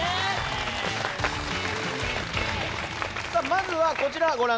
まずはこちらご覧